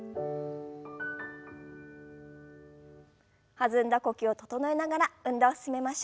弾んだ呼吸を整えながら運動を進めましょう。